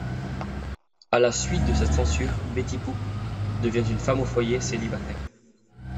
À la suite de cette censure, Betty Boop devient une femme au foyer célibataire.